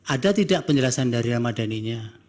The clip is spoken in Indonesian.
ada tidak penjelasan dari ramadhaninya